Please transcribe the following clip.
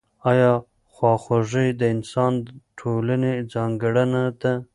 آیا خواخوږي د انساني ټولنې ځانګړنه ده؟